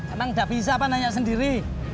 emang udah bisa apa nanya sendiri